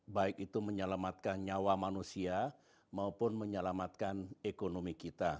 baik itu menyelamatkan nyawa manusia maupun menyelamatkan ekonomi kita